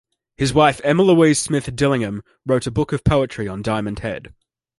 His wife Emma Louise Smith Dillingham wrote a book of poetry on Diamond Head.